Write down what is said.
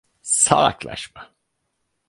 Salaklaşma.